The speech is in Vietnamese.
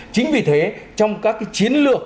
chính vì thế trong các chiến lược